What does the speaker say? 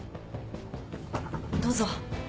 どうぞ。